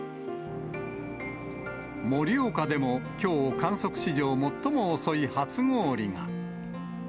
盛岡でもきょう、観測史上最も遅い初氷が。